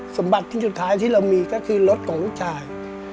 สมบัติชิ้นสุดท้ายที่เรามีก็คือรถของลูกชาย